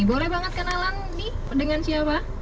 boleh banget kenalan nih dengan siapa